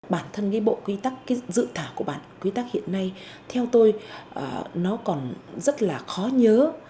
bản thân cái bộ quy tắc cái dự thả của bản quy tắc hiện nay theo tôi nó còn rất là khó nhớ